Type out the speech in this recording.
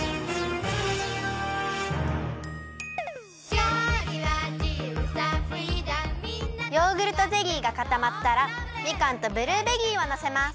「料理は自由さフリーダム」ヨーグルトゼリーがかたまったらみかんとブルーベリーをのせます。